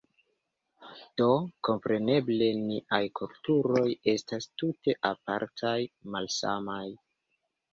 Do, kompreneble niaj kulturoj estas tute apartaj, malsamaj.